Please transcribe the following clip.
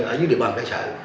ở dưới địa bàn đại sở